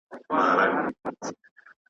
په سیلیو کي آواز مي، چا به نه وي اورېدلی .